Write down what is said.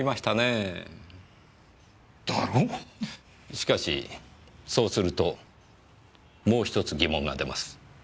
しかしそうするともう１つ疑問が出ます。